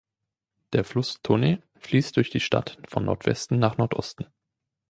Der Fluss Tone fließt durch die Stadt von Nordwesten nach Nordosten.